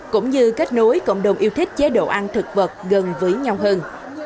cũng như kết nối cộng đồng yêu thích chế độ ăn thực vật gần với nhau hơn